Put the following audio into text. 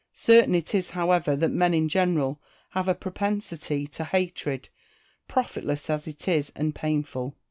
Certain it is, however, that men in general have a propensity to hatred, profitless as it is and painful.